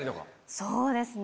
そうですね。